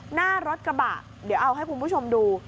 หน้ารถกระบะเดี๋ยวเอาให้คุณผู้ชมดู